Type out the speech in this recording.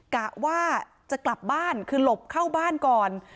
กะว่าจะกลับบ้านคือหลบเข้าบ้านก่อน